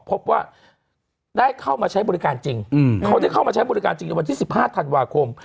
พบว่าได้เข้ามาใช้บริการจริงเขาได้เข้ามาใช้บริการจริงในวันที่๑๕ธันวาคม